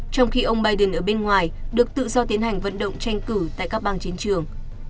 trong khi ông biden ở bên ngoài được tự do tiến hành vận động tranh cử tại các bang chiến trường